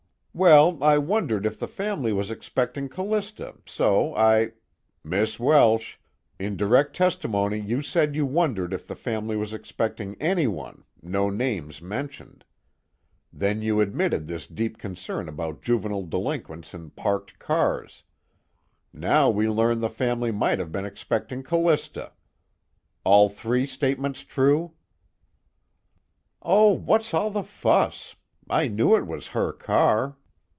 "Well, I wondered if the family was expecting C'lista, so I " "Miss Welsh, in direct testimony you said you wondered if the family was expecting anyone, no names mentioned. Then you admitted this deep concern about juvenile delinquents in parked cars. Now we learn the family might have been expecting Callista. All three statements true?" "Oh, what's all the fuss? I knew it was her car."